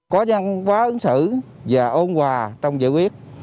có nhân quá ứng xử và ôn hòa trong giải quyết